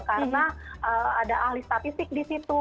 karena ada ahli statistik di situ